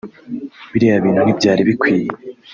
Biriya bintu ntibyari bikwiye